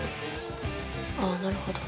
ああなるほど。